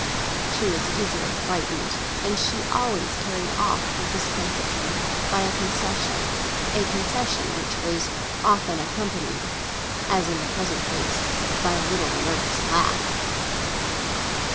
She was easily frightened, and she always carried off her discomfiture by a concession; a concession which was often accompanied, as in the present case, by a little nervous laugh.